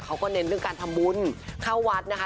เน้นเรื่องการทำบุญเข้าวัดนะคะ